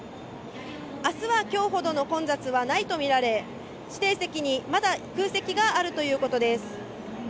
明日は今日ほどの混雑はないとみられ指定席にまだ空席があるということです。